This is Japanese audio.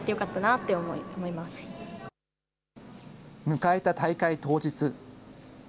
迎えた大会当日。